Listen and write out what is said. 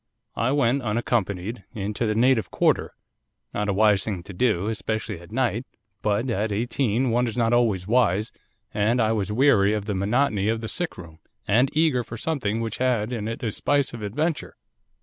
I went, unaccompanied, into the native quarter, not a wise thing to do, especially at night, but at eighteen one is not always wise, and I was weary of the monotony of the sick room, and eager for something which had in it a spice of adventure.